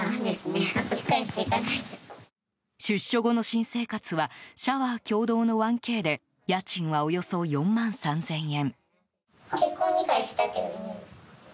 出所後の新生活はシャワー共同の１Ｋで家賃はおよそ４万３０００円。